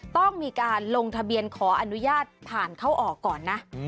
ต้องมีการลงทะเบียนขออนุญาตผ่านเข้าออกก่อนนะ